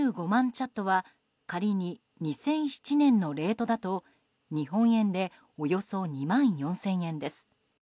チャットは仮に２００７年のレートだと日本円でおよそ２万４０００円です。